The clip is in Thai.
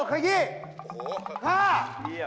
ขยี้